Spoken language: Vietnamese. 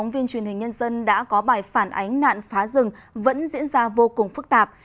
viên truyền hình nhân dân đã có bài phản ánh nạn phá rừng vẫn diễn ra vô cùng phức tạp